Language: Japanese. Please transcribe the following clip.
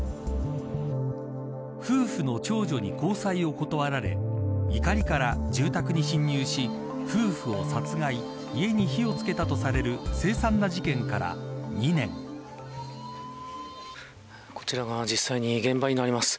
夫婦の長女に交際を断られ怒りから住宅に侵入し夫婦を殺害家に火を付けたとされるこちらが実際に現場になります。